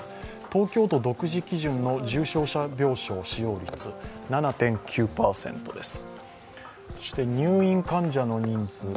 東京都独自基準の重症者病床使用率は７．９％です。